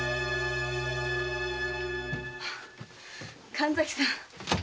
神崎さん。